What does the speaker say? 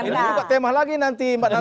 ini juga tema lagi nanti mbak nana